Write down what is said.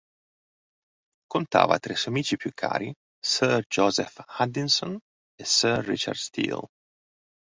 Contava tra i suoi amici più cari Sir Joseph Addison e Sir Richard Steele.